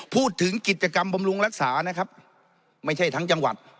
พูดถึงกิจกรรมบำรุงรักษานะครับไม่ใช่ทั้งจังหวัด